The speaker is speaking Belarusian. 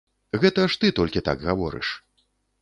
Гэта ж ты толькі так гаворыш.